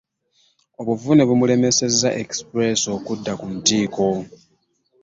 Obuvune bumulemesezza express okudda ku ntikko.